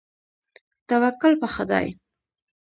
توکل په خدای.